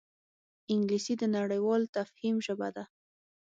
انګلیسي د نړیوال تفهیم ژبه ده